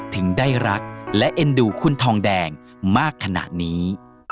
ถึงได้รักและเอ็นดูคุณทองแดงมากขนาดนี้